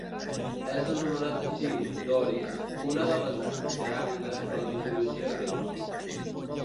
És anomenat així, Doris, una de les Oceànides de la mitologia grega.